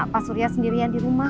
pak surya sendirian di rumah